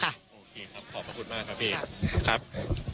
ครับขอบคุณมากค่ะพี่